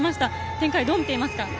展開、どう見ていますか？